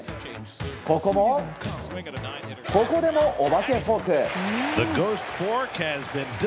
ここも、ここでもお化けフォーク。